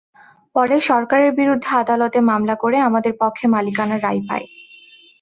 পরে সরকারের বিরুদ্ধে আদালতে মামলা করে আমাদের পক্ষে মালিকানার রায় পাই।